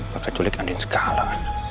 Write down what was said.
pakai culik andin segala